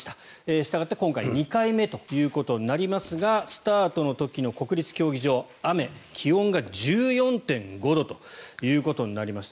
したがって今回は２回目ということになりますがスタートの時の国立競技場雨気温が１４．５度ということになりました。